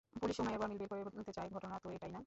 Police সময়ের গরমিল বের করে বলতে চায়, ঘটনা তো এইটা না।